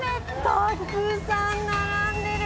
たくさん並んでる。